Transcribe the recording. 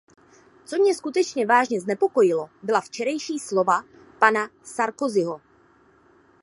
Co mě skutečně vážně znepokojilo, byla včerejší slova pana Sarkozyho.